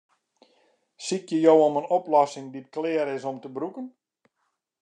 Sykje jo om in oplossing dy't klear is om te brûken?